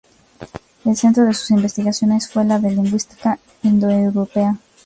El centro de sus investigaciones fue la lingüística indoeuropea.